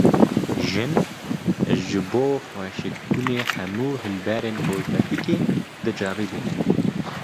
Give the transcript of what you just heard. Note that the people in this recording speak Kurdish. Jin, ji bo xweşikbûnê hemû hilberên kozmetîkê diceribînin